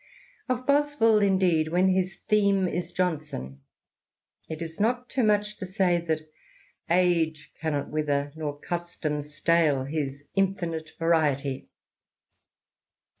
Of Boswell, indeed, when his theme is Johnson, it is not too much to say that "age cannot wither, nor custom stale, his infinite variety."